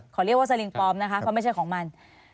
เรียกว่าสลิงปลอมนะคะเพราะไม่ใช่ของมัน